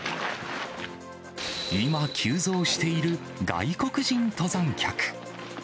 今、急増している外国人登山客。